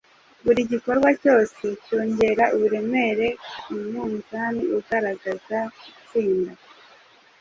buri gikorwa cyose cyongera uburemere ku munzani ugaragaza gutsinda